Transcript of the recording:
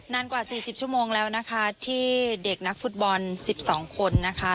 นานกว่า๔๐ชั่วโมงแล้วนะคะที่เด็กนักฟุตบอล๑๒คนนะคะ